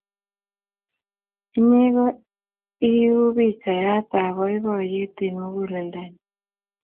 Inye ko iu pichayat ap poipoiyet eng' muguleldanyu.